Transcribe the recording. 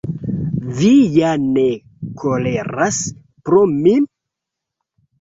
Vi ja ne koleras pro mi?